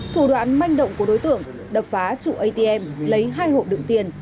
thủ đoạn manh động của đối tượng đập phá chủ atm lấy hai hộ đựng tiền